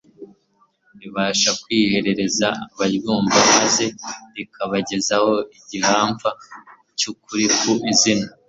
ibasha kwireherezaho abaryumva; maze rikabagezaho igihamva cy'ukuri kuzima.